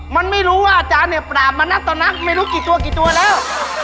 มันไม่รู้ว่าอาจารย์นี้ปลามานัดต่อนักไม่รู้กี่ตัวแล้ว